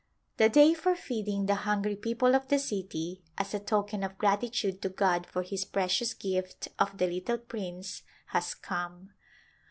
The day for feeding the [ 272] Birth of an Heir hungry people of the city, as a token of gratitude to God for His precious gift of the little prince, has come.